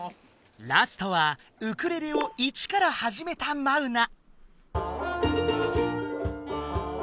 ラストはウクレレを一からはじめたマウナ。